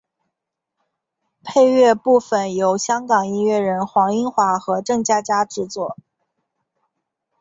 配乐部分由香港音乐人黄英华和郑嘉嘉制作。